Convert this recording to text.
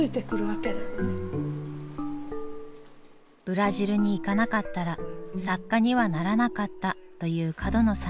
「ブラジルに行かなかったら作家にはならなかった」という角野さん。